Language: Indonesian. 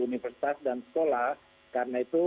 universitas dan sekolah karena itu